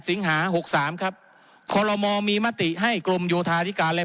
สิงหาหกสามครับคอลโลมอลมีมติให้กรมโยธาธิการและ